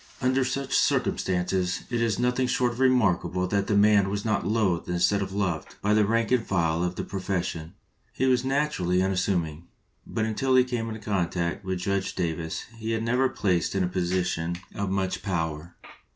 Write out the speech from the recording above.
Under such circumstances it is nothing short of remarkable that the man was not loathed instead of loved by the rank and file of the pro fession. He was naturally unassuming, but until he came into contact with Judge Davis he had never been placed in a position 11 183 LINCOLN THE LAWYER of much power.